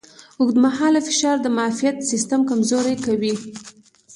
اوږدمهاله فشار د معافیت سیستم کمزوری کوي.